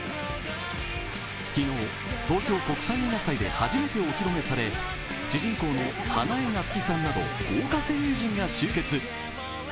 昨日、東京国際映画祭で初めて公開され主人公の花江夏樹さんなど豪華声優陣が集結。